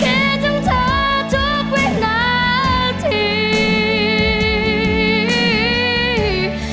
คิดถึงเธอทุกวินาที